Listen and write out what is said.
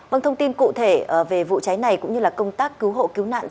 bằng thông tin cụ thể về vụ cháy này cũng như công tác cứu hộ cứu nạn